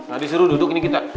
abis itu duduk ini kita